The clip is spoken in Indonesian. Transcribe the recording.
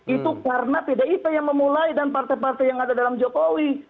itu karena pdip yang memulai dan partai partai yang ada dalam jokowi